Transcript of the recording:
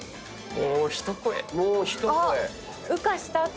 もう一声。